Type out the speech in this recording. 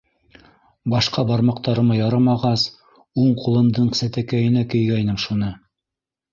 Башҡа бармаҡтарыма ярамағас, уң ҡулымдың сәтәкәйенә кейгәйнем шуны...